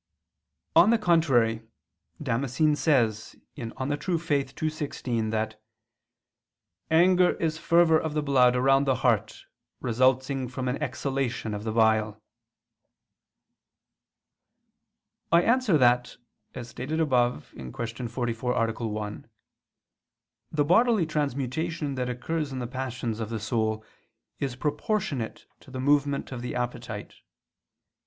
On the contrary, Damascene says (De Fide Orth. ii, 16) that "anger is fervor of the blood around the heart, resulting from an exhalation of the bile." I answer that, As stated above (Q. 44, A. 1), the bodily transmutation that occurs in the passions of the soul is proportionate to the movement of the appetite.